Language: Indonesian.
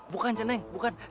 bukan ceneng bukan